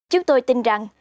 chúng tôi tin rằng